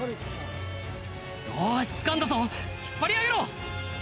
よしつかんだぞ引っ張り上げろ！